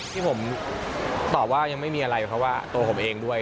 ที่ผมตอบว่ายังไม่มีอะไรเพราะว่าตัวผมเองด้วย